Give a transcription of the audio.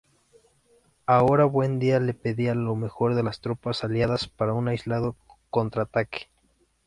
Ahora, Buendía le pedía lo mejor de las tropas aliadas para un aislado contraataque.